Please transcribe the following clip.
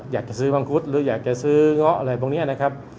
อยากจะซื้อมังคุดหรืออยากจะซื้อเงาะอะไรพวกนี้นะครับ